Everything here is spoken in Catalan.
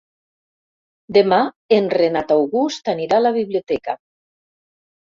Demà en Renat August anirà a la biblioteca.